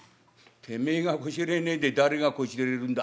「てめえがこしらえねえで誰がこしらえるんだ。